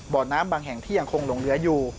บ่อน้ำบางแห่งที่ยังคงหลงเหลืออยู่